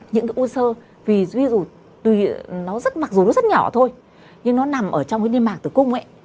những cái u sơ ví dụ tuy nó rất mặc dù nó rất nhỏ thôi nhưng nó nằm ở trong cái niên mạc tử cung ấy